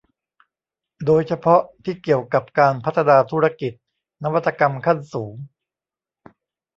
โดยเฉพาะที่เกี่ยวกับการพัฒนาธุรกิจนวัตกรรมขั้นสูง